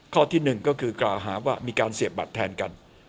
ข้อที่๑ก็คือกล่าวหาว่ามีการเสียบบัตรแทนกัน